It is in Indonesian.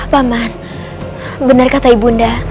paman benar katanya bunda